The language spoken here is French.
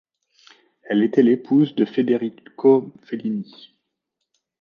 Elle était l'épouse de Federico Fellini.